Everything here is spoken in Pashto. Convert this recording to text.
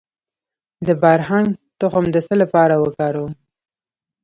د بارهنګ تخم د څه لپاره وکاروم؟